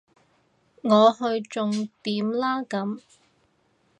我去重點啦咁